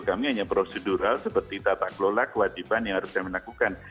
kami hanya prosedural seperti tatak lola kewajiban yang harus saya melakukan